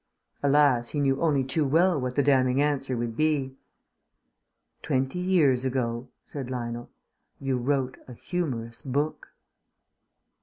Alas! he knew only too well what the damning answer would be. "Twenty years ago," said Lionel, "you wrote a humorous book."